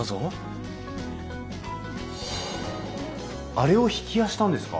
あれを曳家したんですか！？